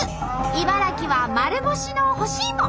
茨城は丸干しの干しいも。